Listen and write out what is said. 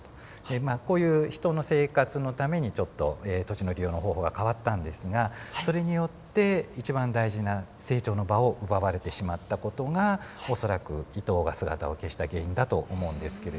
まあこういう人の生活のためにちょっと土地の利用の方法が変わったんですがそれによって一番大事な成長の場を奪われてしまった事が恐らくイトウが姿を消した原因だと思うんですけれども。